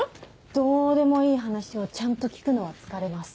どうでもいい話をちゃんと聞くのは疲れます